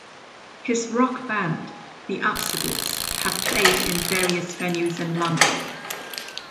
His rock band, The Absolutes, have played in various venues in London.